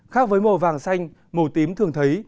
khác với mầu vàng xanh màu tím thường thấy